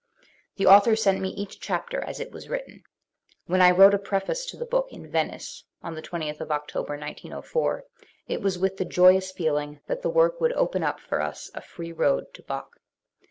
The author sent me each chapter as it was written. When I wrote a pre face to the book in Venice, on 20th October 1904, it was with the joyous feeling that the work would open up for us a free road to Bach.